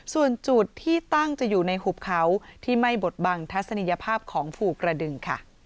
ส่วนจุดที่ตั้งจะอยู่ในหุบเขาที่ไม่บดบังทัศนียภาพของภูกระดึงค่ะ